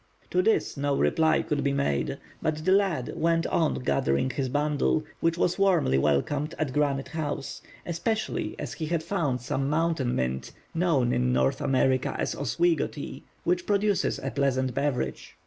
To this no reply could be made, but the lad went on gathering his bundle, which was warmly welcomed at Granite House; especially as he had found some Mountain Mint, known in North America as "Oswego Tea," which produces a pleasant beverage.